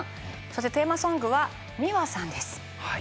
そしてテーマソングはｍｉｗａさんです。